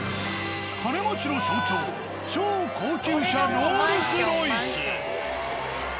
金持ちの象徴超高級車ロールス・ロイス。